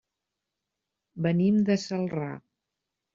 Venim de Celrà.